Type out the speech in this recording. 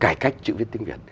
cải cách chữ viết tiếng việt